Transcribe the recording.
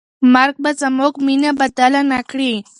مرګ به زموږ مینه بدله نه کړي.